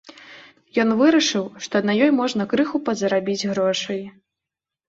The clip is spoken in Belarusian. Ён вырашыў, што на ёй можна крыху падзарабіць грошай.